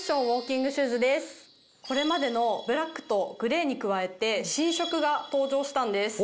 これまでのブラックとグレーに加えて新色が登場したんです。